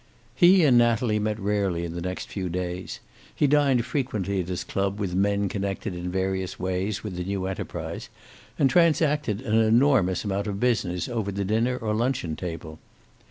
He and Natalie met rarely in the next few days. He dined frequently at his club with men connected in various ways with the new enterprise, and transacted an enormous amount of business over the dinner or luncheon table.